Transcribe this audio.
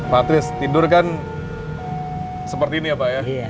patris tidur kan seperti ini ya pak ya